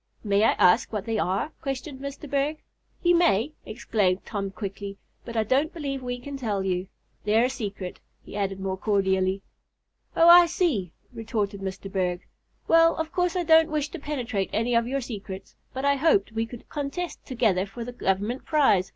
"May I ask what they are?" questioned Mr. Berg. "You may," exclaimed Tom quickly; "but I don't believe we can tell you. They're a secret," he added more cordially. "Oh, I see," retorted Mr. Berg. "Well, of course I don't wish to penetrate any of your secrets, but I hoped we could contest together for the Government prize.